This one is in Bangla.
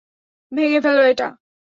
ভেঙ্গে ফেলো এটা।